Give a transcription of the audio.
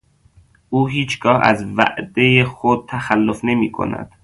او هیچگاه از وعدهُ خود تخلف نمیکند.